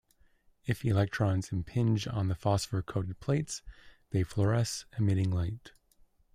If electrons impinge on the phosphor-coated plates, they fluoresce, emitting light.